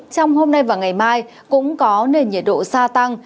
trong hôm nay và ngày mai cũng có nền nhiệt độ xa tăng